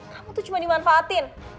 kamu tuh cuma dimanfaatin